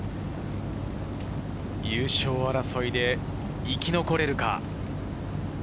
優勝争いで生き残れるか？